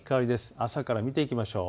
朝から見ていきましょう。